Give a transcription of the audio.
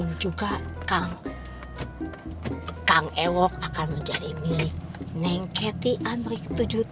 dan juga si ewok akan menjadi milik neng kathy amrik tujuh puluh tujuh